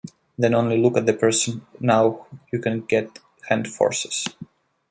Then only look at the person, now you can get hand forces.